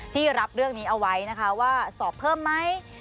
รับเรื่องนี้เอาไว้นะคะว่าสอบเพิ่มไหม